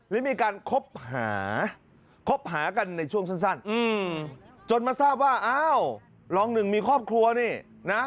และมีการคบหาคบหากันในช่วงสั้นจนมาทราบว่าอ้าวรองหนึ่งมีครอบครัวนี่นะ